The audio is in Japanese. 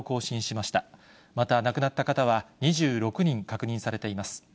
また亡くなった方は２６人確認されています。